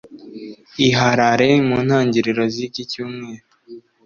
i Harare mu ntangiriro z’iki cyumweru